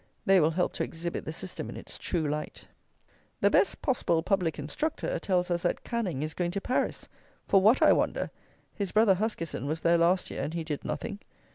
They will help to exhibit the system in its true light. The "best possible public instructor" tells us that Canning is going to Paris. For what, I wonder? His brother, Huskisson, was there last year; and he did nothing.